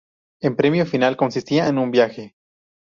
En premio final consistía en un viaje.